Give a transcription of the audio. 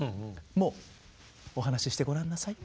もうお話ししてごらんなさい。